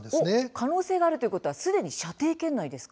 可能性があるということはすでに射程圏内なんですか。